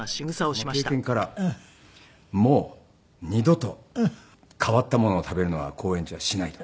その経験からもう二度と変わったものを食べるのは公演中はしないと。